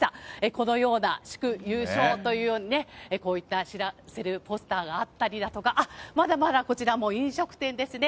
このような祝優勝というようにね、こういった知らせるポスターがあったりだとか、あっ、まだまだこちらも飲食店ですね。